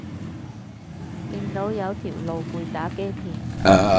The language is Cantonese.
見到有條露背打機片